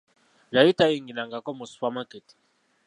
Yali tayingirangako mu supamaketi,